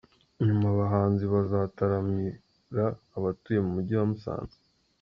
Nyuma abahanzi bazataramira abatuye mu mujyi wa Musanze.